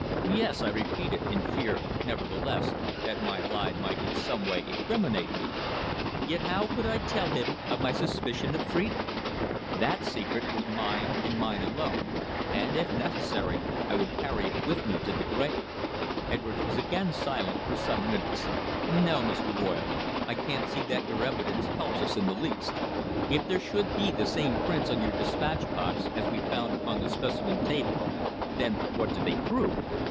"Yes," I repeated; in fear nevertheless, that my lie might in some way incriminate me. Yet how could I tell him of my suspicion of Phrida. That secret was mine and mine alone, and, if necessary, I would carry it with me to the grave. Edwards was again silent for some minutes. "No, Mr. Royle, I can't see that your evidence helps us in the least. If there should be the same prints on your despatch box as we found upon the specimen table, then what do they prove?